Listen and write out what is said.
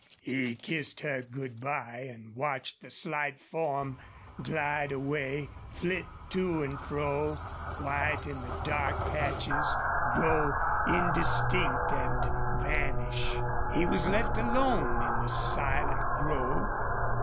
He kissed her good by and watched the slight form glide away, flit to and fro, white in the dark patches, grow indistinct and vanish. He was left alone in the silent grove.